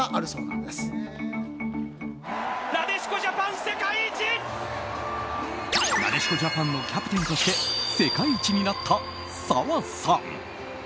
なでしこジャパンのキャプテンとして世界一になった澤さん。